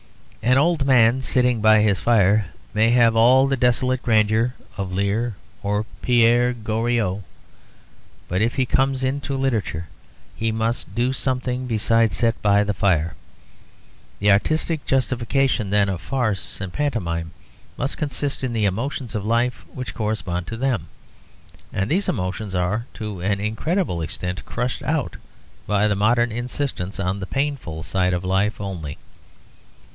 An old man sitting by his fire may have all the desolate grandeur of Lear or Père Goriot, but if he comes into literature he must do something besides sit by the fire. The artistic justification, then, of farce and pantomime must consist in the emotions of life which correspond to them. And these emotions are to an incredible extent crushed out by the modern insistence on the painful side of life only.